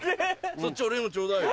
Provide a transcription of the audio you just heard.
そっち俺にもちょうだいよ。